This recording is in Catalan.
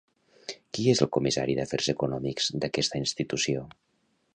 Qui és el comissari d'Afers Econòmics d'aquesta institució?